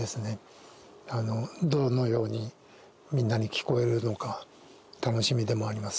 どのようにみんなに聞こえるのか楽しみでもあります。